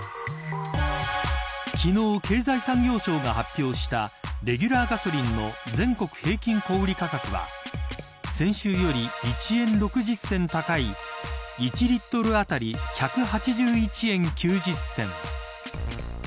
昨日、経済産業省が発表したレギュラーガソリンの全国平均小売価格は先週より１円６０銭高い１リットル当たり１８１円９０銭。